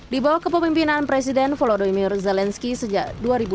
di bawah kepemimpinan presiden volodomir zelensky sejak dua ribu empat belas